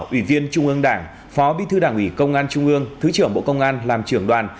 ủy viên trung ương đảng phó bí thư đảng ủy công an trung ương thứ trưởng bộ công an làm trưởng đoàn